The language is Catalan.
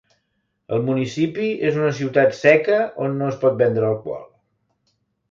El municipi és una ciutat seca on no es pot vendre alcohol.